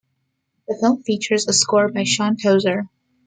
The film features a score by Schaun Tozer.